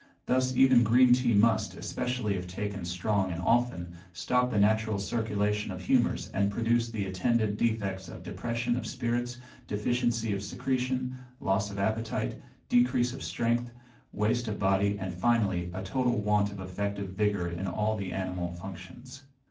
Thus even green tea must, especially if taken strong and often, stop the natural circulation of humours, and produce the attendant defects of depression of spirits, deficiency of secretion, loss of appetite, decrease of strength, waste of body, and, finally, a total want of effective vigour in all the animal functions.